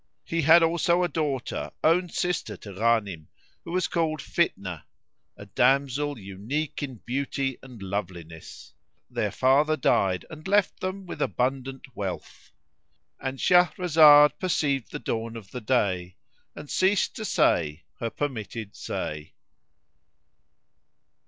He had also a daughter, own sister to Ghanim, who was called Fitnah, a damsel unique in beauty and loveliness. Their father died and left them abundant wealth.—And Shahrazad perceived the dawn of day and ceased to say her permitted say.